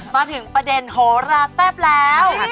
มาถึงประเด็นโหราแซ่บแล้ว